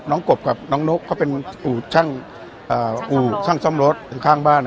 กบกับน้องนกเขาเป็นอู่ช่างอู่ช่างซ่อมรถอยู่ข้างบ้าน